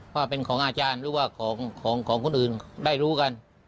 ว่าเป็นของอาจารย์หรือว่าของคนอื่นได้รู้กัน